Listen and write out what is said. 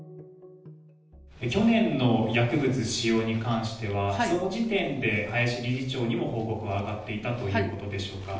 去年の薬物使用に関しては、その時点で林理事長にも報告が上がっていたということでしょうか。